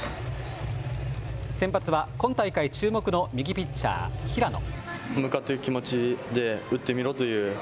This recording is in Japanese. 先発は今大会注目の右ピッチャー、平野。